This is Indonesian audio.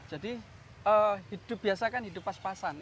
jadi hidup biasa kan hidup pas pasan